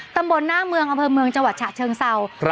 ตำบลหน้าเมืองครับเพื่อเมืองจังหวัดฉะเชิงเซาครับ